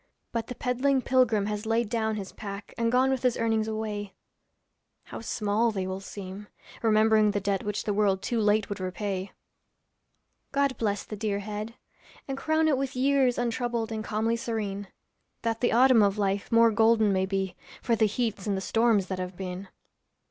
But the peddling pilgrim has laid down his pack And gone with his earnings away; How small will they seem, remembering the debt Which the world too late would repay. God bless the dear head! and crown it with years Untroubled and calmly serene; That the autumn of life more golden may be For the heats and the storms that have been.